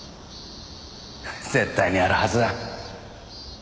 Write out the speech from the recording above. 絶対にあるはずだ。